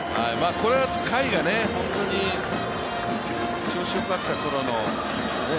これは甲斐が本当に調子よかったころの。